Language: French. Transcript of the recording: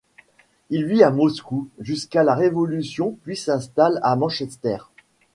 Il vit à Moscou jusqu'à la révolution puis s'installe à Manchester.